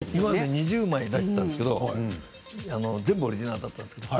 今まで２０枚出していたんですけど全部オリジナルだったんです。